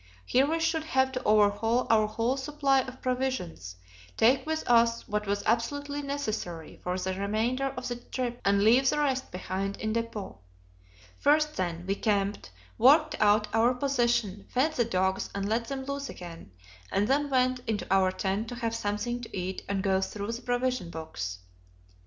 Here we should have to overhaul our whole supply of provisions, take with us what was absolutely necessary for the remainder of the trip, and leave the rest behind in depot. First, then, we camped, worked out our position, fed the dogs and let them loose again, and then went into our tent to have something to eat and go through the provision books.